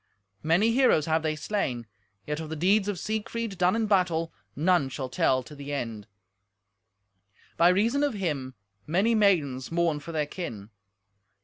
Many heroes have they slain, yet of the deeds of Siegfried, done in battle, none shall tell to the end. By reason of him many maidens mourn for their kin.